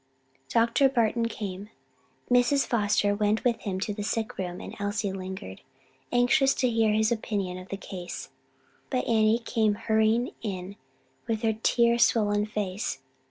Dr. Barton came: Mrs. Foster went with him to the sick room and Elsie lingered, anxious to hear his opinion of the case. But Annie came hurrying in with her tear swollen face.